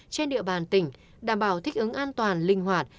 trên địa bàn tỉnh đảm bảo thích ứng an toàn linh hoạt